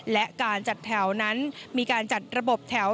และการจัดแถวนั้นมีการจัดระบบแถว